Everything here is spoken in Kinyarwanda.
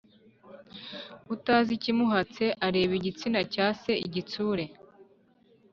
Utazi ikimuhatse ,areba igitsina cya se igitsure